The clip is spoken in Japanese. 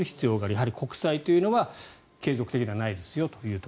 やはり国債というのは継続的ではないですよと。